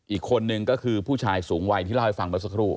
อีกคนนึงก็คือผู้ชายสูงวัยที่เล่าให้ฟังเมื่อสักครู่